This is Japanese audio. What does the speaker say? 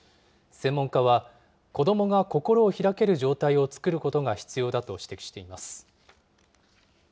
専門家は、子どもが心を開ける状態を作ることが必要だと指摘しています。